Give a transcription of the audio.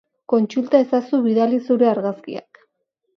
Kontsulta ezazu bidali zure argazkiak.